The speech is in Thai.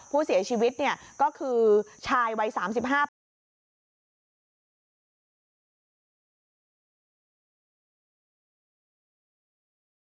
ผู้เสียชีวิตเนี่ยก็คือชายวัย๓๕ปี